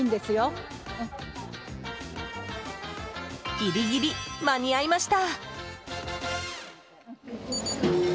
ギリギリ間に合いました。